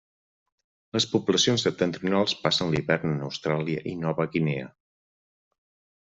Les poblacions septentrionals passen l'hivern en Austràlia i Nova Guinea.